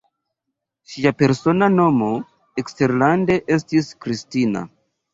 Ŝia persona nomo eksterlande estis Kristina.